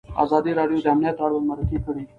ازادي راډیو د امنیت اړوند مرکې کړي.